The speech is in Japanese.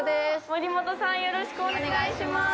森本さん、よろしくお願いします。